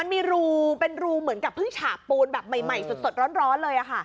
มันมีรูเป็นรูเหมือนกับเพิ่งฉาบปูนแบบใหม่สดร้อนเลย